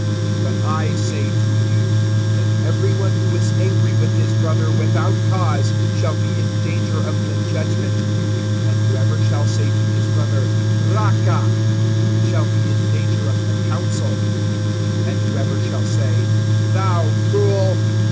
(22)But I say to you, that every one who is angry with his brother, without cause[5:22a], shall be in danger of the judgment; and whoever shall say to his brother, Raca[5:22b]! shall be in danger of the council; and whoever shall say, Thou fool!